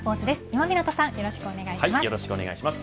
今湊さんよろしくお願いします。